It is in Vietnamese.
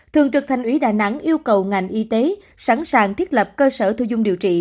thường trực thành ủy đà nẵng yêu cầu ngành y tế sẵn sàng thiết lập cơ sở thu dung điều trị